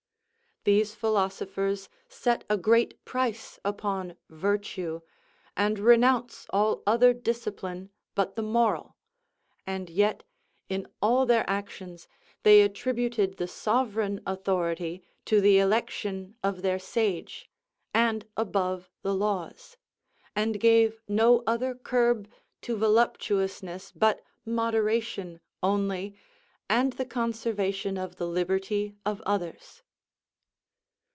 These philosophers set a great price upon virtue, and renounce all other discipline but the moral; and yet, in all their actions, they attributed the sovereign authority to the election of their sage, and above the laws; and gave no other curb to voluptuousness but moderation only, and the conservation of the liberty of others.